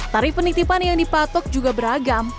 tarif penitipan yang dipatok juga beragam